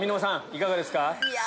いかがですか？